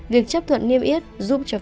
việc chấp thuận niêm yết giúp cho farus